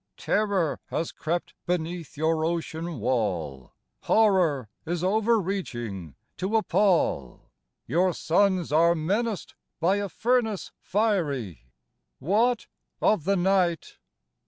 Terror has crept beneath your ocean wall, Horror is over reaching, to appal; Your sons are menaced by a furnace fiery: What of the night?